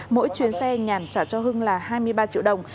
mỗi chuyến xe nhàn trả cho hưng là hai mươi ba triệu đồng